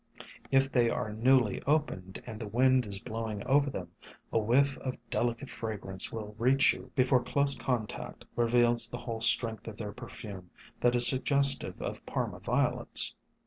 If they are newly opened and the wind is blowing over them, a whiff of delicate fragrance will reach you before close contact reveals the whole strength of their perfume that is suggestive of Parma Violets.